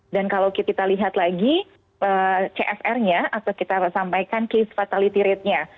dan kalau kita lihat lagi cfr nya atau kita sampaikan case fatality rate nya